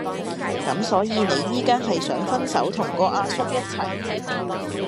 咁所以你依家係想分手同個阿叔一齊